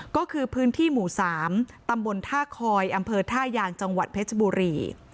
ก็คือพื้นที่หมู่๓ตำบลท่าคอยอำเภอท่ายางจังหวัดเพชรบุรี